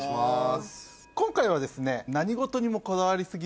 今回はですね。